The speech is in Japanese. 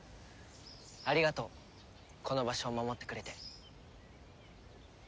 ありがとうこの場所を守ってくれて。